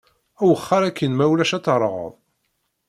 Wexxeṛ akin ma ulac ad terɣeḍ.